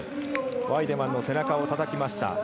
ワイデマンの背中をたたきました。